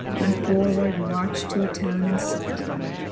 And forward marched to a towne In fight.